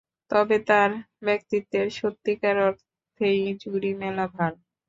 তবে তার ব্যক্তিত্বের সত্যিকার অর্থেই জুড়ি মেলা ভার!